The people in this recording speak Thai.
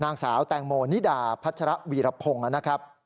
นางสาวแตงโมนิดาพัชระวีรพงศ์นะครับ